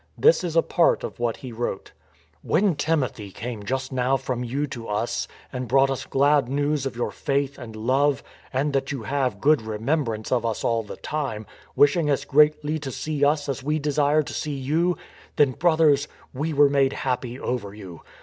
This is a part of what he wrote: " When Timothy came just now from you to us and brought us glad news of your faith and love, and that you have good remembrance of us all the time, wishing as greatly to see us as we desire to see you, then brothers, we were made happy over you